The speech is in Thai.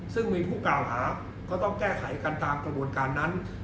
ซึ่งมีผู้กล่าวหาก็ต้องแก้ไขกันตามกระบวนการนั้น